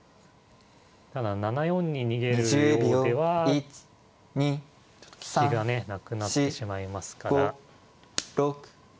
ただ７四に逃げるようではちょっと利きがねなくなってしまいますから。